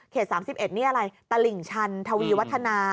๓๑นี่อะไรตลิ่งชันทวีวัฒนา